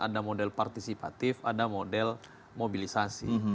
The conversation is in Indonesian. mestinya kan ada model partisipatif ada model mobilisasi